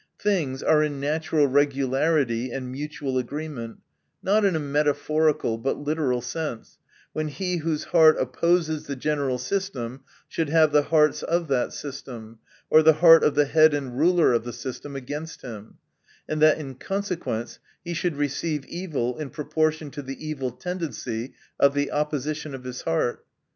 Things are in natural regularity and mutual agreement, not in a metaphorical but literal sense, when he whose heart opposes the general system, should have the hearts of that system, or the heart of the head and ruler of the system, against him : and that in consequence, lie should receive evil in proportion to the evil tendency of the opposition of his heart.